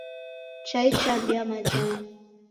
Chai chabia majani.